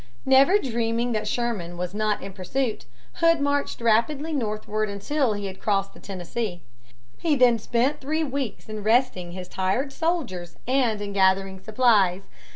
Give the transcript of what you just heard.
Never dreaming that Sherman was not in pursuit, Hood marched rapidly northward until he had crossed the Tennessee. He then spent three weeks in resting his tired soldiers and in gathering supplies.